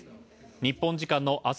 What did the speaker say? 日本時間の明日